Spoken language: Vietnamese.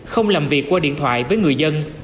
không làm việc qua điện thoại với người dân